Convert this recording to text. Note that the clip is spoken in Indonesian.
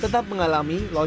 tetap mengalami lonjakan